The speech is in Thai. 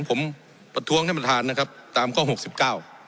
ผมประท้วงท่านประธานนะครับตามข้อหกสิบเก้า